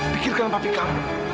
pikirkan tentang papi kamu